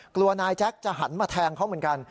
กลัวนายแจ๊คจะหันมาแทงเขาเหมือนกัน